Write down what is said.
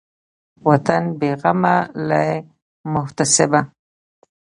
وطن بېغمه له محتسبه